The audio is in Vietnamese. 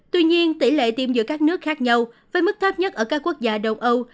tuy nhiên tỷ lệ tiêm giữa các nước khác nhau với mức thấp nhất ở các quốc gia đông âu